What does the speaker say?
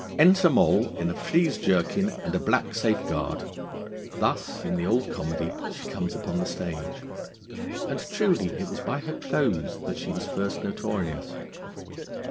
'Enter Moll in a frieze jerkin and a black safeguard.' Thus in the old comedy she comes upon the stage; and truly it was by her clothes that she was first notorious.